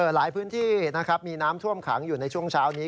หลายพื้นที่นะครับมีน้ำท่วมขังอยู่ในช่วงเช้านี้